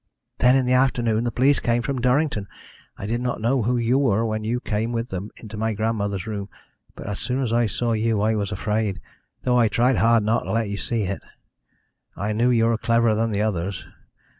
"Then in the afternoon the police came from Durrington. I did not know who you were when you came with them into my grandmother's room, but as soon as I saw you I was afraid, though I tried hard not to let you see it. I knew you were cleverer than the others.